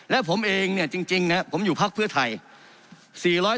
และผมเองเนี่ยจริงนะผมอยู่พักเพื่อไทย